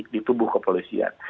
di tubuh kepolisian